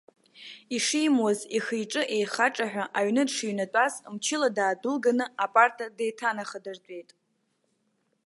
Ишимуаз, ихы-иҿы еихаҿаҳәа аҩны дшыҩнатәаз, мчыла даадәылганы, апарта деиҭанахадыртәеит.